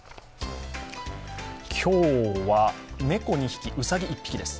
今日は、猫２匹、うさぎ１匹です。